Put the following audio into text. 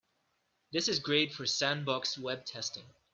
This is great for sandboxed web testing.